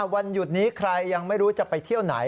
วันหยุดนี้ใครยังไม่รู้จะไปเที่ยวไหน